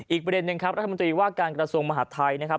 อีกประเด็นหนึ่งครับรัฐมนตรีว่าการกระทรวงมหาดไทยนะครับ